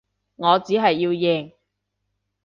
我只係要贏